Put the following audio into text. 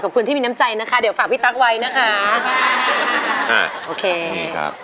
ขอบคุณที่มีน้ำใจนะคะเดี๋ยวฝากพี่ตั๊กไว้นะคะอ่าโอเคครับ